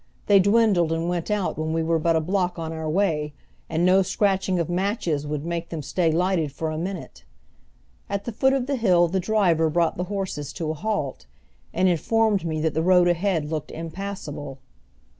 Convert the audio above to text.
They dwindled and went out when we were but a block on our way, and no scratching of matches would make them stay lighted for a minute. At the foot of the hill the driver brought the horses to a halt, and informed me that the road ahead looked impassable.